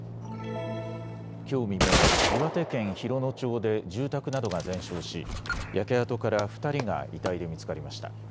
きょう未明、岩手県洋野町で住宅などが全焼し焼け跡から２人が遺体で見つかりました。